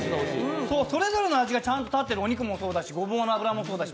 それぞれの味がちゃんと立っている、お肉もそうだし、ごぼうの油もそうだし